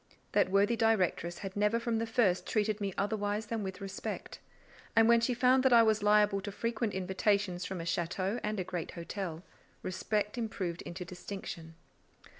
That worthy directress had never from the first treated me otherwise than with respect; and when she found that I was liable to frequent invitations from a château and a great hotel, respect improved into distinction.